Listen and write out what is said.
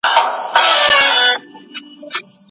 د ملا سمه ناسته وساته